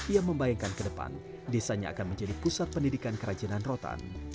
ia membayangkan ke depan desanya akan menjadi pusat pendidikan kerajinan rotan